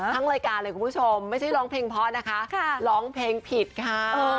ทั้งรายการเลยคุณผู้ชมไม่ใช่ร้องเพลงเพราะนะคะร้องเพลงผิดค่ะ